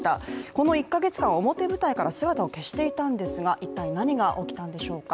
この１か月間、表舞台から姿を消していたんですが一体、何が起きたんでしょうか。